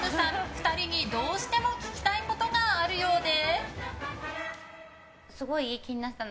２人に、どうしても聞きたいことがあるようで。